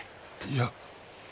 いや。